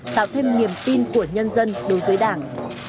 tạo thêm niềm tin của nhân dân đối với đảng